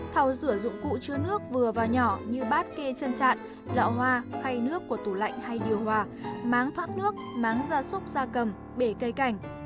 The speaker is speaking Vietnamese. thảo rửa dụng cụ chứa nước vừa và nhỏ như bát kê chân trạn lọ hoa khay nước của tủ lạnh hay điều hòa máng thoát nước máng ra súc ra cầm bể cây cảnh